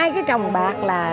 hai cái trồng bạc là